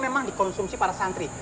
memang dikonsumsi para santri